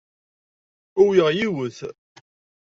Uwyeɣ yiwet.